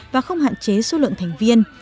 và không hạn chế số lượng thành viên